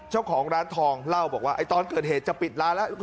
เจ้าของร้านทองเล่าบอกว่าตอนเกิดเหตุจะปิดร้านแล้ว